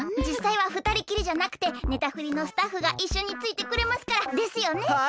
じっさいは二人きりじゃなくてネタフリのスタッフがいっしょについてくれますから。ですよね？